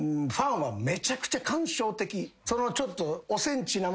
そのちょっと。